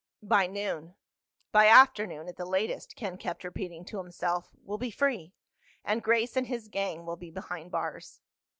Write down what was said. "By noon—by afternoon at the latest," Ken kept repeating to himself, "we'll be free. And Grace and his gang will be behind bars."